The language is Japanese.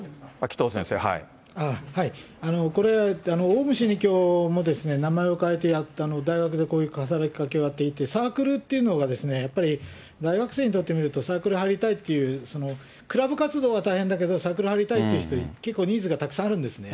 これ、オウム真理教も名前を変えてやった、大学でこういう働きかけをやっていて、サークルっていうのが、やっぱり大学生にとってみると、サークル入りたいっていう、クラブ活動は大変だけど、サークル入りたいっていう人、結構ニーズがたくさんあるんですね。